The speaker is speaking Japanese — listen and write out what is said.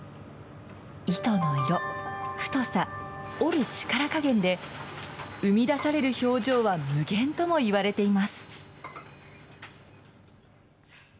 糸の色、太さ、織る力加減で、生み出される表情は無限ともいわれています。